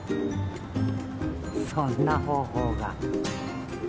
そんな方法が。